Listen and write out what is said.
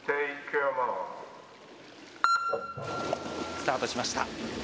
スタートしました。